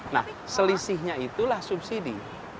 nah selisihnya itulah subsidi